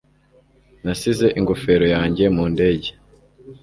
Nasize ingofero yanjye mu ndege